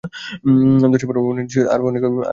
ধসে পড়া ভবনের নিচে আরও অনেকে রয়েছে বলে মনে করা হচ্ছে।